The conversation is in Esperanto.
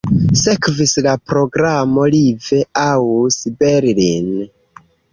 Sekvis la programo "Live aus Berlin".